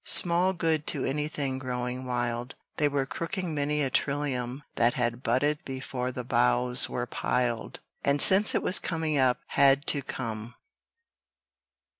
Small good to anything growing wild, They were crooking many a trillium That had budded before the boughs were piled And since it was coming up had to come.